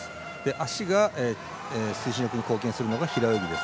足が推進力に貢献するのが平泳ぎです。